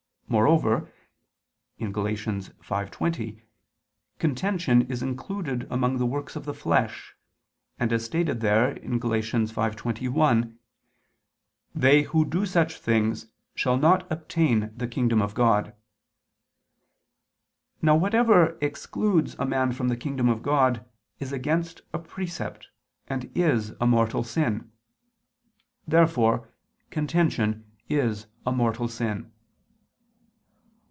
Moreover (Gal. 5:20) contention is included among the works of the flesh, and as stated there (Gal. 5:21) "they who do such things shall not obtain the kingdom of God." Now whatever excludes a man from the kingdom of God and is against a precept, is a mortal sin. Therefore contention is a mortal sin.